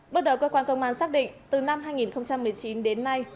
bước đầu cơ quan công an xác định từ năm hai nghìn một mươi chín đến nay